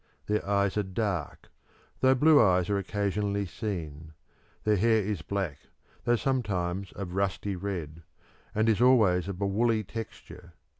Their eyes are dark, though blue eyes are occasionally seen; their hair is black, though sometimes of rusty red, and is always of a woolly texture.